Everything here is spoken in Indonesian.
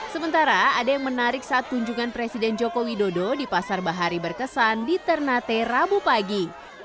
sementara ada yang menarik saat kunjungan presiden joko widodo di pasar bahari berkesan di ternate rabu pagi